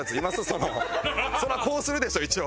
そらこうするでしょ一応。